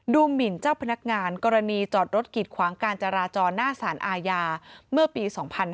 หมินเจ้าพนักงานกรณีจอดรถกิดขวางการจราจรหน้าสารอาญาเมื่อปี๒๕๕๙